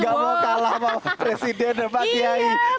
gak mau kalah sama presiden dan pak kiai